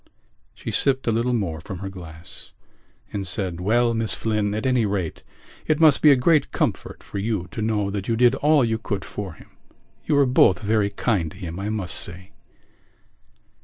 She sipped a little more from her glass and said: "Well, Miss Flynn, at any rate it must be a great comfort for you to know that you did all you could for him. You were both very kind to him, I must say."